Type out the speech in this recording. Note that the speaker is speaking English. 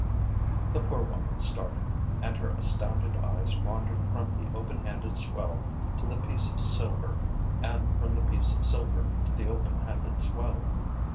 The poor woman started; and her astounded eyes wandered from the open handed swell to the piece of silver and from the piece of silver to the open handed swell.